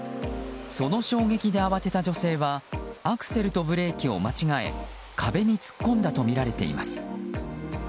その衝撃で慌てた女性はアクセルとブレーキを間違え壁に突っ込んだとみられています。